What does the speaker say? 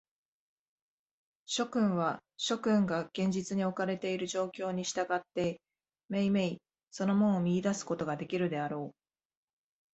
諸君は、諸君が現実におかれている状況に従って、めいめいその門を見出すことができるであろう。